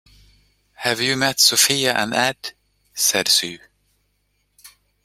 Have you met Sophia and Ed? said Sue.